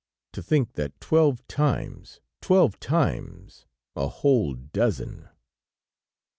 To think that twelve times!... twelve times!... a whole dozen!"